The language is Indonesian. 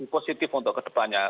positif untuk kedepannya